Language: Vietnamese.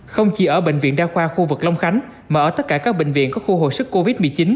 không chỉ ở bệnh viện đa khoa khu vực long khánh mà ở tất cả các bệnh viện có khu hồi sức covid một mươi chín